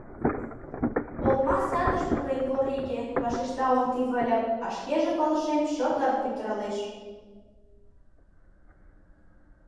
— Олма садыш пурен, вор иге! — вашешта Орти Выльып, а шкеже пылышем чоты-ыр пӱтыралеш.